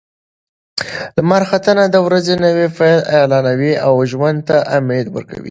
لمر ختنه د ورځې نوی پیل اعلانوي او ژوند ته امید ورکوي.